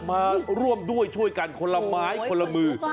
มาร่วมด้วยช่วยกันคนละไม้คนละมือ